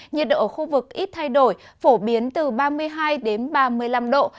nhiệt độ ở khu vực ít thay đổi phổ biến từ ba mươi hai ba mươi năm độ